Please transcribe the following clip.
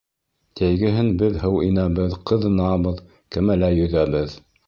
Йәйгеһен беҙ һыу инәбеҙ, ҡыҙынабыҙ, кәмәлә йөҙәбеҙ